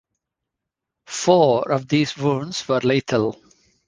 Four of these wounds were lethal.